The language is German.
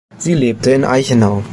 Sie lebte in Eichenau.